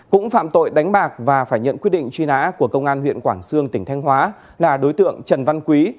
cũng phạm tội đánh bạc và phải nhận quyết định truy nã của công an huyện quảng sương tỉnh thanh hóa là đối tượng trần văn quý